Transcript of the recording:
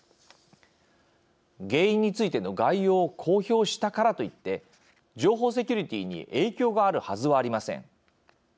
原因についての概要を公表したからといって情報セキュリティーに影響があるはずはありません。